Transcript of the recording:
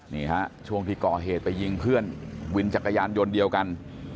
นี่ฮะช่วงที่ก่อเหตุไปยิงเพื่อนวินจักรยานยนต์เดียวกัน